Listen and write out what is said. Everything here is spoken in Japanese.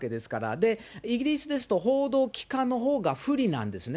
で、イギリスですと、報道機関のほうが不利なんですね。